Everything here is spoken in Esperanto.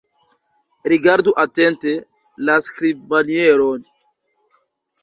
Rigardu atente la skribmanieron.